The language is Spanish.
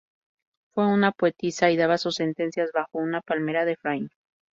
Fue una poetisa y daba sus sentencias bajo una palmera de Efraín.